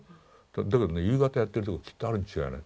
だけどね夕方やってるとこきっとあるに違いない。